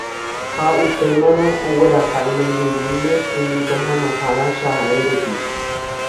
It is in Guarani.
ha upémarõ ogueraha imembymime umi pohãnohára chae rupi.